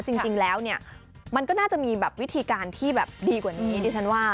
จริงแล้วเนี่ยมันก็น่าจะมีแบบวิธีการที่แบบดีกว่านี้ดิฉันว่า